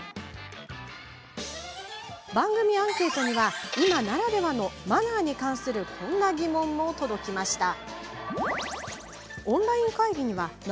番組アンケートには今ならではのマナーに関するこんな疑問も届きました。